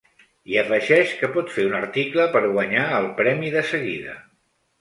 I afegeix que pot fer un article per guanyar el premi de seguida.